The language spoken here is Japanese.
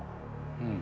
うん。